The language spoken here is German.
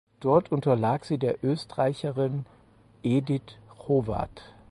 Dort unterlag sie der Österreicherin Edith Hrovat.